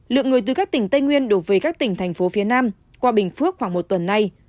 lượng người từ các tỉnh tây nguyên đổ về các tỉnh thành phố phía nam qua bình phước khoảng một tuần nay